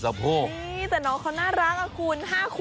เออเข็นได้นะ